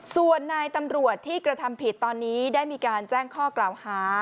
ส่วนนายตำรวจที่กระทำผิดตอนนี้ได้มีการแจ้งข้อกล่าวหา